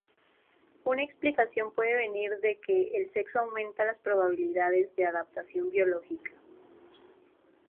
Una explicación puede venir de que el sexo aumenta las probabilidades de adaptación biológica.